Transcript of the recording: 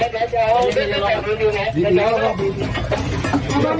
ไปทำแผลกันไปไปทำแผลกันไป